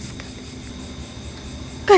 aku lelah sekali